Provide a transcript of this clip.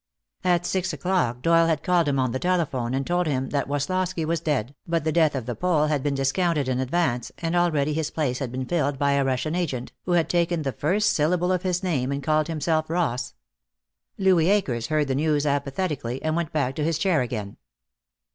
At six o'clock Doyle had called him on the telephone and told him that Woslosky was dead, but the death of the Pole had been discounted in advance, and already his place had been filled by a Russian agent, who had taken the first syllable of his name and called himself Ross. Louis Akers heard the news apathetically, and went back to his chair again.